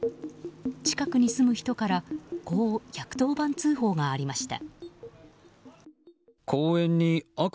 近くに住む人からこう１１０番通報がありました。